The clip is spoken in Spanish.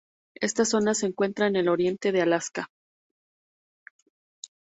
Esta zona se encuentra en el oriente de Alaska.